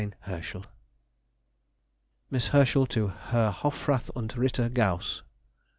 HERSCHEL. MISS HERSCHEL TO HERR HOFRATH UND RITTER GAUSS.